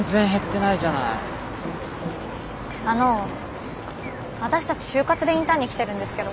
あの私たち就活でインターンに来てるんですけど。